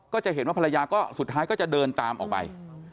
ก็จะเห็นว่าภรรยาก็สุดท้ายก็จะเดินตามออกไป